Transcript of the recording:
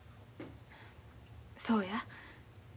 そうや。